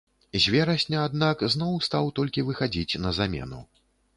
З верасня, аднак, зноў стаў толькі выхадзіць на замену.